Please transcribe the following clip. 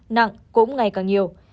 nặng cũng ngày càng nhiều